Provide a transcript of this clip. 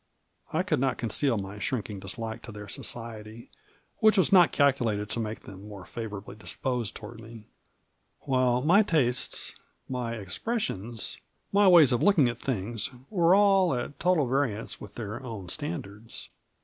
I could not conceal my shrinking dislike to their society, which was not calculated to make them more favorably disposed toward me ; while my tastes, my ex pressions, my ways of looking at things, were all at total variance with their own standards.